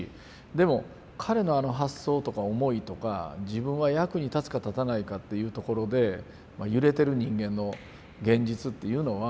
でも彼のあの発想とか思いとか自分は役に立つか立たないかというところで揺れてる人間の現実っていうのは